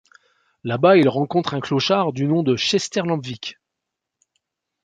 Là-bas, il rencontre un clochard du nom de Chester Lampwick.